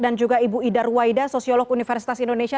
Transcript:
dan juga ibu idar waida sosiolog universitas indonesia